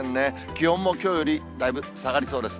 気温もきょうよりだいぶ下がりそうです。